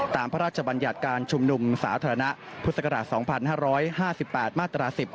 พระราชบัญญัติการชุมนุมสาธารณะพุทธศักราช๒๕๕๘มาตรา๑๐